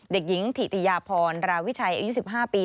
เด็กหญิงถิติยาพรราวิชัยอายุ๑๕ปี